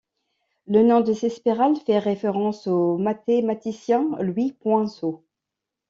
Le nom de ces spirales fait référence au mathématicien Louis Poinsot.